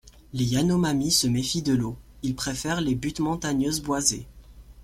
Les Yanomami se méfient de l'eau, ils préfèrent les buttes montagneuses boisées.